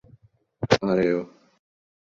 areo